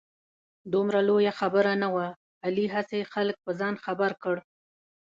دومره لویه خبره نه وه. علي هسې خلک په ځان خبر کړ.